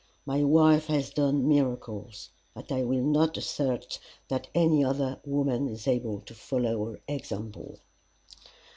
My wife has done miracles, but I will not assert that any other woman is able to follow her example.